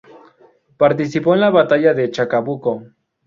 Participó en la Batalla de Chacabuco.